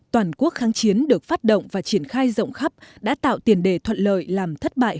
toàn quốc kháng chiến được phát động và triển khai rộng khắp đã tạo tiền đề thuận lợi làm thất bại